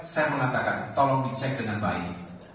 saya mengatakan tolong dicek dengan baik